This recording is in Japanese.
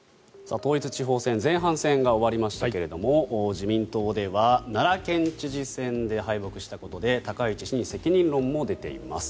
統一地方選前半戦が終わりましたけれど自民党では奈良県知事選で敗北したことで高市氏に責任論も出ています。